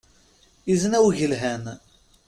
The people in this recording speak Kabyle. Izen awgelhan.